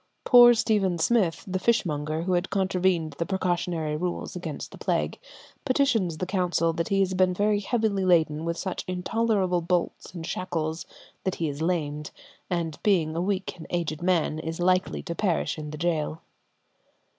Poor Stephen Smith, the fishmonger, who had contravened the precautionary rules against the plague, petitions the council that he has been very heavily laden with such intolerable bolts and shackles that he is lamed, and being a weak and aged man, is like to perish in the gaol.